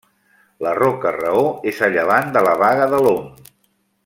La Roca Raor és a llevant de la Baga de l'Om.